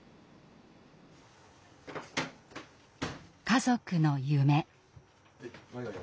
家族の夢。